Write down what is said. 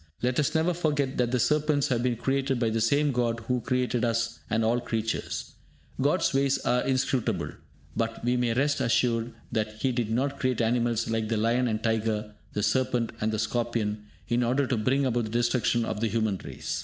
Let us never forget that the serpents have been created by the same God who created us and all other creatures. God's ways are inscrutable, but we may rest assured that He did not create animals like the lion and the tiger, the serpent and the scorpion, in order to bring about the destruction of the human race.